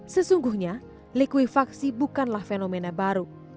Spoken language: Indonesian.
sesungguhnya likuifaksi bukanlah fenomena baru